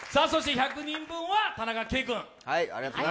そして１００人分は田中圭君。